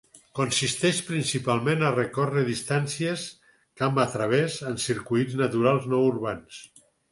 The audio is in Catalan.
Consisteix principalment a recórrer distàncies camp a través en circuits naturals no urbans.